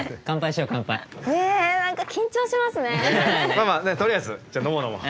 まあまあねっとりあえずじゃ飲もう飲もう。